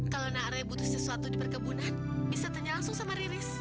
kalau nakre butuh sesuatu di perkebunan bisa tanya langsung sama rilis